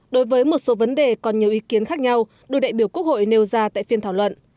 đối với một số vấn đề còn nhiều ý kiến khác nhau đôi đại biểu quốc hội nêu ra tại phiên thảo luận